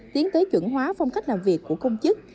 tiến tới chuẩn hóa phong cách làm việc của công chức